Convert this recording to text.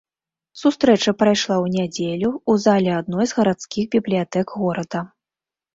Сустрэча прайшла ў нядзелю ў залі адной з гарадскіх бібліятэк горада.